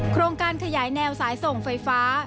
โครงการขยายแนวสายส่งไฟฟ้า